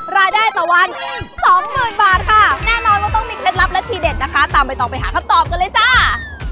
รายได้ต่อวันสองหมื่นบาทค่ะแน่นอนว่าต้องมีเคล็ดลับและทีเด็ดนะคะตามใบตองไปหาคำตอบกันเลยจ้า